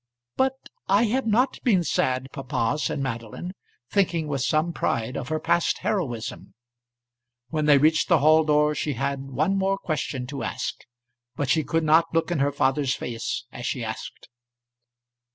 "But I have not been sad, papa," said Madeline, thinking with some pride of her past heroism. When they reached the hall door she had one more question to ask; but she could not look in her father's face as she asked.